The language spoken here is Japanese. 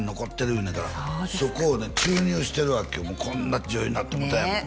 言うねんからそうですかそこをね注入してるわけよこんな女優になってもうたもんねえ